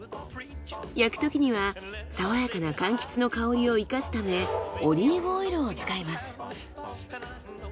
焼くときには爽やかな柑橘の香りを生かすためオリーブオイルを使います。